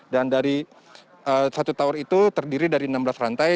dan dari satu tower itu terdiri dari enam belas rantai